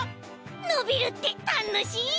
のびるってたのしい！